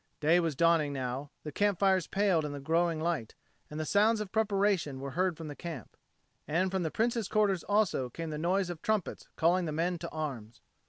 Day was dawning now: the campfires paled in the growing light, and the sounds of preparation were heard from the camp. And from the Prince's quarters also came the noise of trumpets calling the men to arms.